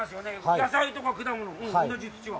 野菜とか果物、同じ土は。